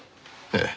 ええ。